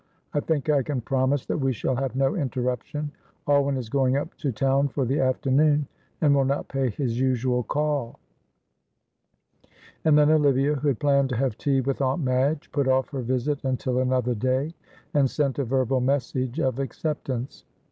I think I can promise that we shall have no interruption. Alwyn is going up to town for the afternoon, and will not pay his usual call." And then Olivia, who had planned to have tea with Aunt Madge, put off her visit until another day, and sent a verbal message of acceptance.